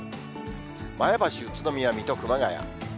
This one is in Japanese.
前橋、宇都宮、水戸、熊谷。